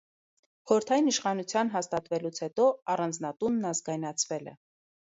Խորհրդային իշխանության հաստավելուց հետո առանձնատունն ազգայնացվել է։